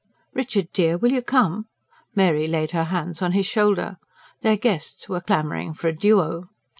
"Richard dear, will you come?" Mary laid her hands on his shoulder: their guests were clamouring for a DUO.